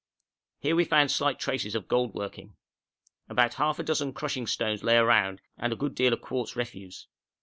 Here we found slight traces of gold working. About half a dozen crushing stones lay around, and a good deal of quartz refuse.